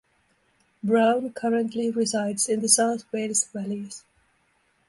Brown currently resides in the South Wales Valleys.